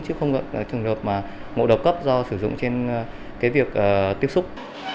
chứ không trường hợp mà ngộ độc cấp do sử dụng trên cái việc tiếp xúc